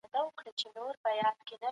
د امريکا له خوا په تور ليست کي دي.